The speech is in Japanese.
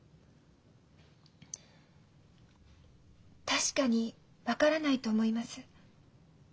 確かに分からないと思います。